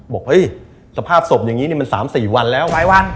บอกเฮ้ยสภาพศพอย่างนี้มัน๓๔วันแล้ว